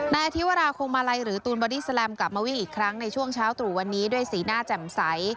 นายอธิวราคงมาลัยหรือตูนบอดี้แลมกลับมาวิ่งอีกครั้งในช่วงเช้าตรู่วันนี้ด้วยสีหน้าแจ่มใส